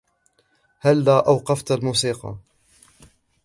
هلا أوقفت الموسيقى.